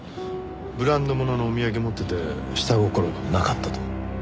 ブランドもののお土産持ってて下心はなかったと？